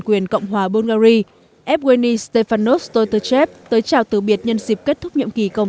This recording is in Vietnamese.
quyền cộng hòa bulgari evgeny stefanos stoltechev tới chào từ biệt nhân dịp kết thúc nhiệm kỳ công